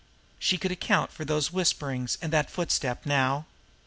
She could account for those whisperings and that footstep now.